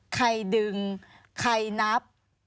ใครดึงใครนับ